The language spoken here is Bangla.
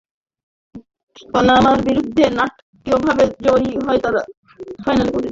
পানামার বিরুদ্ধে নাটকীয়ভাবে জয়ী হয়ে তারা ফাইনালে পৌঁছেছিল।